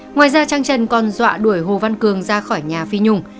ngoài ra trang trần còn dọa đuổi hồ văn cường ra khỏi nhà phi nhung